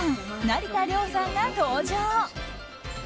成田凌さんが登場。